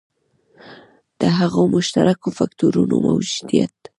د هغو مشترکو فکټورونو موجودیت.